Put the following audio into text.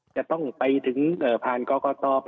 จะต้องไปถึงผ่านกรกต